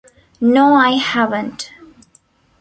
No, I haven't.